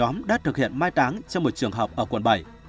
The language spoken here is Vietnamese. mai tán trong một trường hợp ở quận bảy